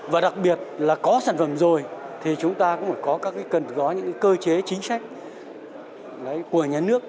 và đặc biệt là có sản phẩm rồi thì chúng ta cũng phải có các cần gói những cơ chế chính sách của nhà nước